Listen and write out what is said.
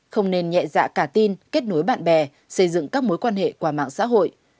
không nên nhẹ dạ cả tin kết nối bạn bè xây dựng các mối quan hệ qua mạng xã hội